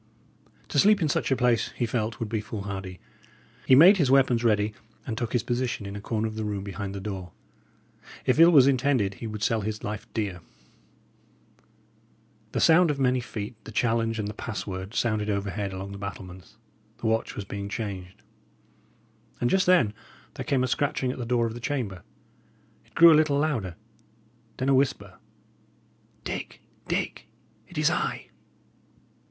To sleep in such a place, he felt, would be foolhardy. He made his weapons ready, and took his position in a corner of the room behind the door. If ill was intended, he would sell his life dear. The sound of many feet, the challenge, and the password, sounded overhead along the battlements; the watch was being changed. And just then there came a scratching at the door of the chamber; it grew a little louder; then a whisper: "Dick, Dick, it is I!"